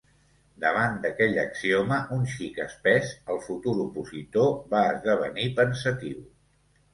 Davant d'aquell axioma un xic espès, el futur opositor va esdevenir pensatiu.